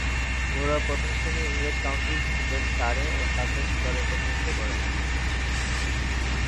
ঘরোয়া প্রথম-শ্রেণীর ইংরেজ কাউন্টি ক্রিকেটে সারে ও সাসেক্স দলের প্রতিনিধিত্ব করেন।